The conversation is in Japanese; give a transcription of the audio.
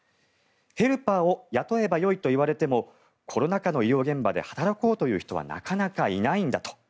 ヘルパーを雇えばよいと言われてもコロナ禍の医療現場で働こうという人はなかなかいないんだと。